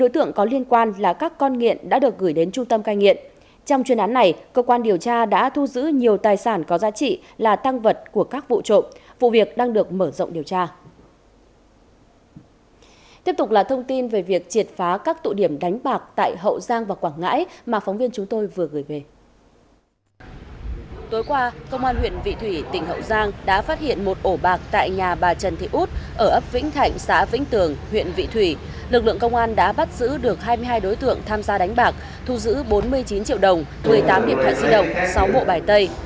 tuy nhiên qua lấy lời khai của người chứng kiến và những chứng cứ thu thập được cho thấy